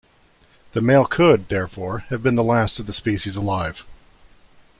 The male could, therefore, have been the last of the species alive.